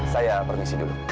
saya permisi dulu